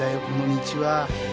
この道は。